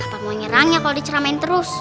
apa mau nyerangnya kalau diceramain terus